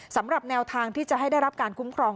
สำหรับแนวทางที่จะให้ได้รับการคุ้มครอง